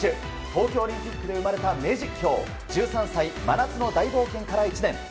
東京オリンピックで生まれた名実況１３歳、真夏の大冒険から１年。